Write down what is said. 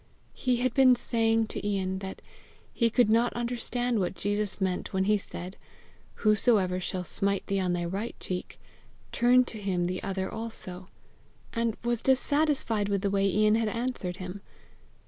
He had been saying to Ian that he could not understand what Jesus meant when he said, "Whosoever shall smite thee on thy right cheek, turn to him the other also;" and was dissatisfied with the way Ian had answered him.